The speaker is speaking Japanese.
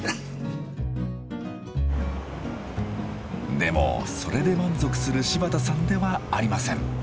でもそれで満足する柴田さんではありません。